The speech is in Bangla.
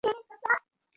আমি স্বাভাবিক মানুষ না।